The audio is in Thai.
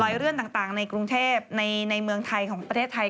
เลื่อนต่างในกรุงเทพในเมืองไทยของประเทศไทย